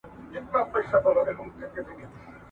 طبقاتي توپیرونه ټولني ته زیان رسوي.